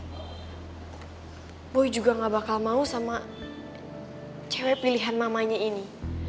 hai boy juga nggak bakal mau sama cewek pilihan mamanya ini